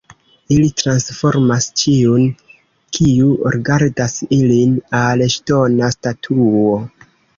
Ili transformas ĉiun, kiu rigardas ilin, al ŝtona statuo.